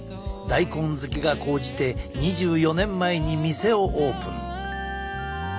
大根好きが高じて２４年前に店をオープン。